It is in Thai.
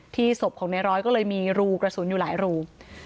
ศพของในร้อยก็เลยมีรูกระสุนอยู่หลายรู